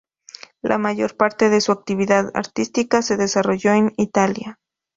La mayor parte de su actividad artística se desarrolló en Italia.